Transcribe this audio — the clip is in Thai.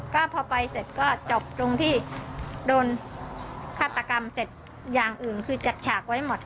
ก็พอไปเสร็จก็จบตรงที่โดนฆาตกรรมเสร็จอย่างอื่นคือจัดฉากไว้หมด